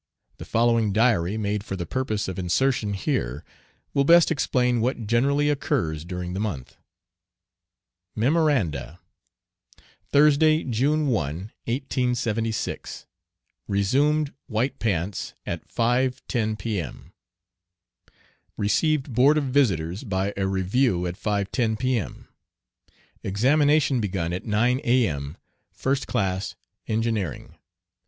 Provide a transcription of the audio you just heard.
The following diary, made for the purpose of insertion here, will best explain what generally occurs during the month: MEMORANDA. Thursday, June 1, 1876. Resumed white pants at 5.10 P.M. Received Board of Visitors by a review at 5.10 P.M. Examination begun at 9 A.M. First class, engineering.